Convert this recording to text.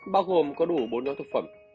bao gồm có đủ bốn nhóm thực phẩm